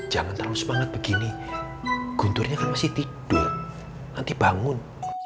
jangan terlalu semangat begini gunturnya kan masih tidur nanti bangun